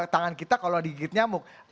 tangan kita kalau digigit nyamuk